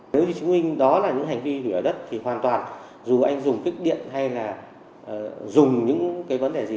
nếu như chứng minh đó là những hành vi hủy hoại đất thì hoàn toàn dù anh dùng kích điện hay là dùng những cái vấn đề gì